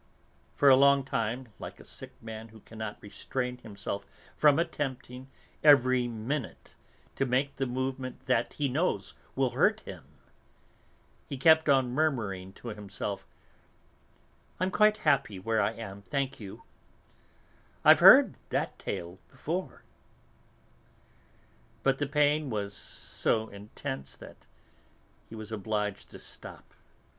For a long time, like a sick man who cannot restrain himself from attempting, every minute, to make the movement that, he knows, will hurt him, he kept on murmuring to himself: "I'm quite happy where I am, thank you," "I've heard that tale before," but the pain was so intense that he was obliged to stop.